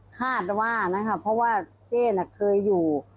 คาดว่านะคะเพราะว่าเจ๊น่ะเคยอยู่